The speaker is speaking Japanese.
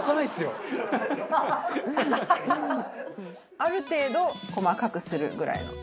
ある程度細かくするぐらいの。